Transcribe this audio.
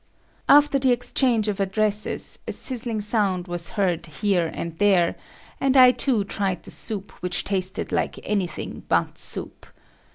After the exchange of addresses, a sizzling sound was heard here and there, and I too tried the soup which tasted like anything but soup.